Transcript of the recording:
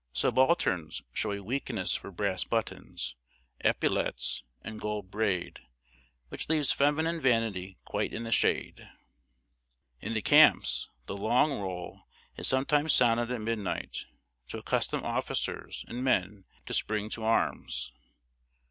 Subalterns show a weakness for brass buttons, epaulettes, and gold braid, which leaves feminine vanity quite in the shade. In the camps, the long roll is sometimes sounded at midnight, to accustom officers and men to spring to arms.